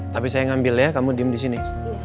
tapi saya ngambil ya kamu diem di sini